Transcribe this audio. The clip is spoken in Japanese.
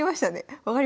分かりました。